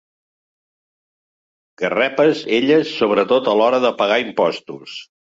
Garrepes, elles, sobretot a l'hora de pagar impostos.